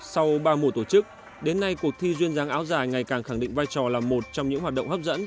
sau ba mùa tổ chức đến nay cuộc thi duyên dáng áo dài ngày càng khẳng định vai trò là một trong những hoạt động hấp dẫn